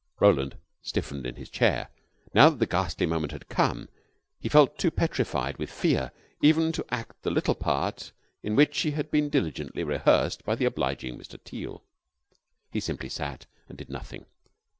Roland stiffened in his chair. Now that the ghastly moment had come, he felt too petrified with fear even to act the little part in which he had been diligently rehearsed by the obliging Mr. Teal. He simply sat and did nothing.